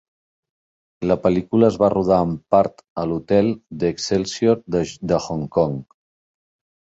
La pel·lícula es va rodar, en part, a l'hotel The Excelsior de Hong Kong.